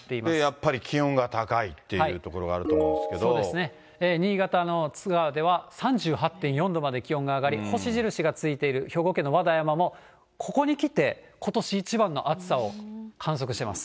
やっぱり気温が高いっていうところがあると思うんですけれどそうですね、新潟の津川では、３８．４度まで気温が上がり、星印がついている兵庫県の和田山もここにきて、ことし一番の暑さを観測しています。